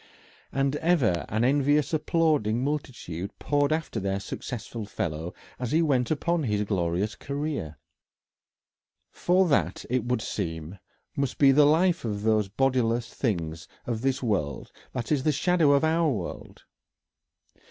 And ever an envious applauding multitude poured after their successful fellow as he went upon his glorious career. For that, it would seem, must be the life of these bodiless things of this world that is the shadow of our world.